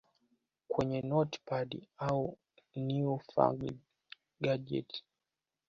kwenye notepads au newfangled gadget